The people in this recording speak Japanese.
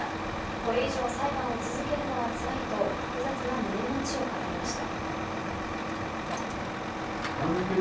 これ以上、裁判を続けるのは辛いと複雑な胸の内を語りました。